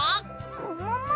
ももも？